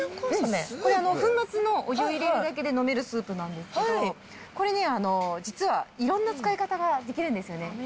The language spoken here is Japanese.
これ、粉末の、お湯を入れるだけで飲めるスープなんですけど、これ、実はいろんな使い方ができるんですよね。